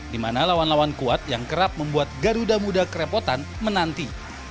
di mana lawan lawan kuat yang kerap membuat garuda muda kerepotan menanti